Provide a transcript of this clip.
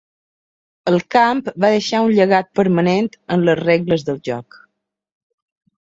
El camp va deixar un llegat permanent en les regles del joc.